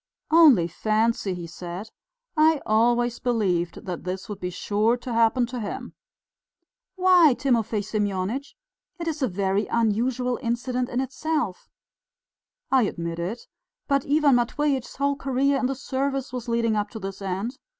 "Only fancy," he said, "I always believed that this would be sure to happen to him." "Why, Timofey Semyonitch? It is a very unusual incident in itself...." "I admit it. But Ivan Matveitch's whole career in the service was leading up to this end.